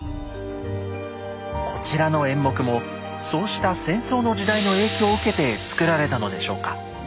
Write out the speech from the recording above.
こちらの演目もそうした戦争の時代の影響を受けて作られたのでしょうか？